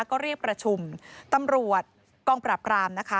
ก็เรียกประชุมตำรวจกองปราบรามนะคะ